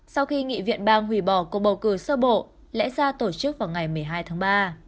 sau khi nghị viện bang hủy bỏ cuộc bầu cử sơ bộ lẽ ra tổ chức vào ngày một mươi hai tháng ba